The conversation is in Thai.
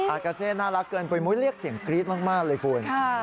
อากาเซน่ารักเกินคุณมุ้ยเรียกเสียงกรี๊ดมากเลยคุณ